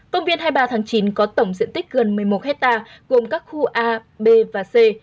công viên hai mươi ba tháng chín có tổng diện tích gần một mươi một hectare gồm các khu a b và c